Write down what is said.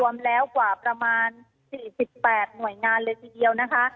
รวมแล้วกว่าประมาณ๔๘หน่วยงานเลยทีเดียวนะคะ